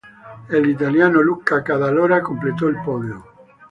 El italiano Luca Cadalora completó el podio.